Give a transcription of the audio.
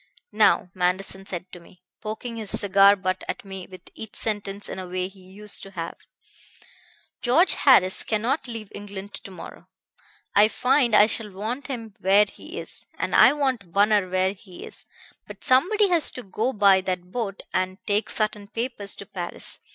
"'Now,' Manderson said to me, poking his cigar butt at me with each sentence in a way he used to have, 'George Harris cannot leave England to morrow. I find I shall want him where he is. And I want Bunner where he is. But somebody has got to go by that boat and take certain papers to Paris.